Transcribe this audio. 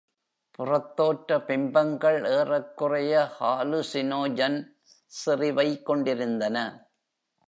புறத்தோற்ற பிம்பங்கள் ஏறக்குறைய ஹாலுசினோஜன் செறிவை கொண்டிருந்தன.